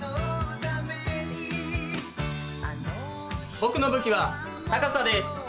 僕の武器は高さです。